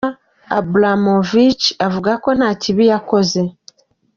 Bwana Abramovich avuga ko nta kibi yakoze.